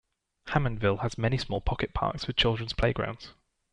Hammondville has many small pocket parks with children's playgrounds.